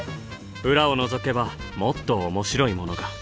裏をのぞけばもっと面白いものが。